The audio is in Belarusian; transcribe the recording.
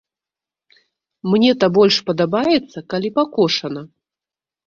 Мне то больш падабаецца, калі пакошана.